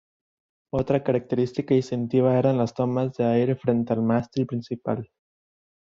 Otra característica distintiva eran las tomas de aire frente al mástil principal.